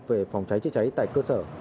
về phòng cháy chữa cháy tại cơ sở